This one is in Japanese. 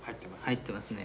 入ってますね。